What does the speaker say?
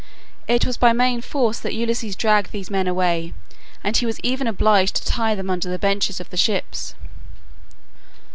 It was by main force that Ulysses dragged these men away, and he was even obliged to tie them under the benches of the ships.